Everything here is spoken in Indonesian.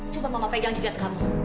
cuma mama pegang jejak kamu